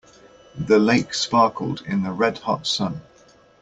The lake sparkled in the red hot sun.